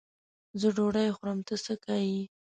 زه ډوډۍ خورم؛ ته څه که یې.